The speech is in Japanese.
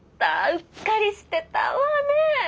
うっかりしてたわねえ？